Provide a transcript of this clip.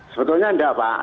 sebetulnya enggak pak